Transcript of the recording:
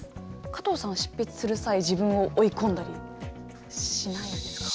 加藤さんは執筆する際自分を追い込んだりしないんですか？